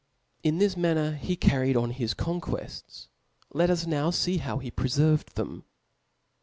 In this manner he carried on his conquefts ; let us now fee how he prefervcd them.